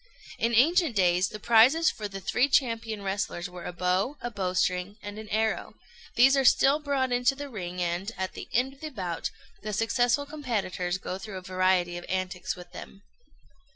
In ancient days, the prizes for the three champion wrestlers were a bow, a bowstring, and an arrow: these are still brought into the ring, and, at the end of the bout, the successful competitors go through a variety of antics with them.